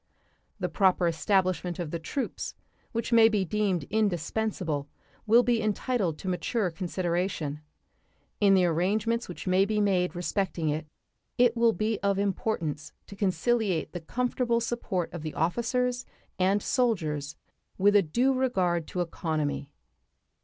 The proper establishment of the troops which may be deemed indispensable will be entitled to mature consideration. In the arrangements which may be made respecting it it will be of importance to conciliate the comfortable support of the officers and soldiers with a due regard to economy.